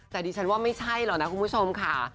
แต่ดิฉันว่าไม่ใช่หรอกนะคุณผู้ชมค่ะ